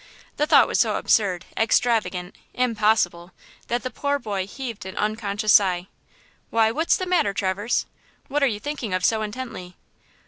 The thought was so absurd, extravagant, impossible, that the poor boy heaved an unconscious sigh. "Why, what's the matter, Traverse? What are you thinking of so intently?"